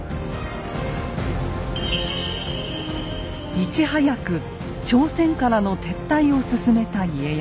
いち早く朝鮮からの撤退を進めた家康。